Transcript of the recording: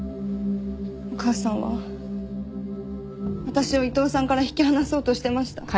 お母さんは私を伊藤さんから引き離そうとしてました。